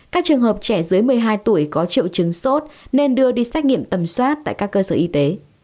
các trường hợp trẻ dưới một mươi hai tuổi có triệu chứng sốt nên đưa đi xét nghiệm tầm soát tại các cơ sở y tế